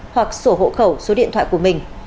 hoặc sổ hộ khẩu số điện thoại của mình